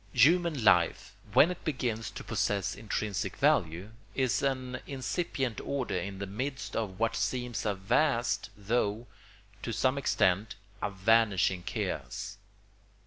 ] Human life, when it begins to possess intrinsic value, is an incipient order in the midst of what seems a vast though, to some extent, a vanishing chaos.